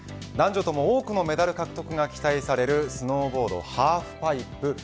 男女とも多くのメダル獲得が期待されるスノーボードハーフパイプ。